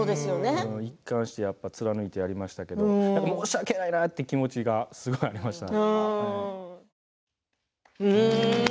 一貫して貫いてやりましたけど申し訳ないなって気持ちがすごいありました。